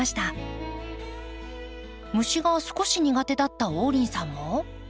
虫が少し苦手だった王林さんも。